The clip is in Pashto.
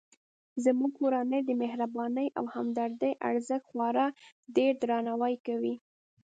زموږ کورنۍ د مهربانۍ او همدردۍ ارزښت خورا ډیردرناوی کوي